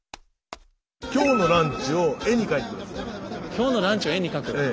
今日のランチを絵に描く？